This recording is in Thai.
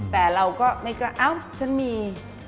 แต่เราก็ไม่กล้าเอ้าฉันมี